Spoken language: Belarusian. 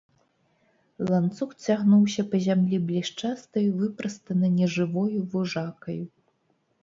Ланцуг цягнуўся па зямлі блішчастаю, выпрастана нежывою вужакаю.